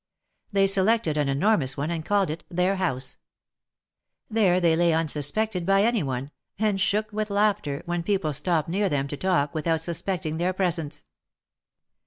They selected an enormous one and called it their house. There they lay unsuspected by any one, and si look with laughter, when people stopped near them to talk, without suspecting their presence.